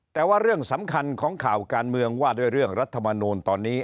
แต่ว่าเรื่องสำคัญของข่าวการเมืองว่าด้วยเรื่องรัฐมนูลตอนนี้